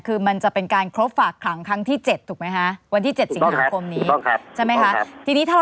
คือมันจะเป็นการครบฝากครั้งครั้งที่๗ถูกไหมฮะ